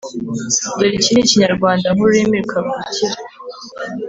dore iki ni ikinyarwanda nk’ururimi kavukire